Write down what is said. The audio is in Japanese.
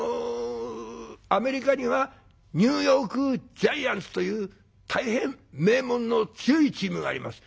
アメリカにはニューヨーク・ジャイアンツという大変名門の強いチームがあります」。